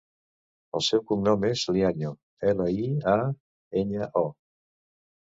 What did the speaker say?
El seu cognom és Liaño: ela, i, a, enya, o.